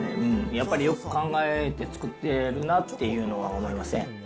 やっぱりよく考えて作ってるなっていうのは思いますね。